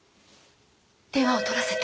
電話を取らせて。